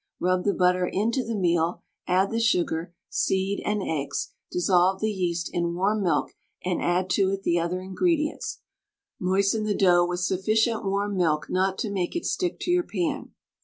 Rub the butter into the meal, add the sugar, seed, and eggs; dissolve the yeast in warm milk and add to it the other ingredients. Moisten the dough with sufficient warm milk not to make it stick to your pan.